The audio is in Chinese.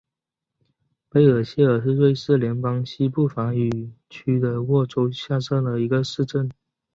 贝尔谢尔是瑞士联邦西部法语区的沃州下设的一个市镇。